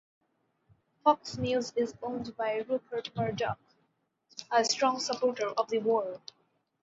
Fox News is owned by Rupert Murdoch, a strong supporter of the war.